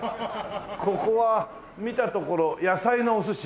ここは見たところ野菜のお寿司。